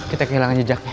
kita kehilangan jejaknya